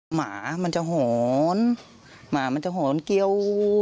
หมามันจะหอนเกี้ยว